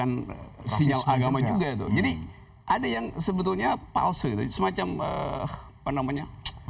anybody jadi ada yang sebetulnya palsu semacamju penuh pengennya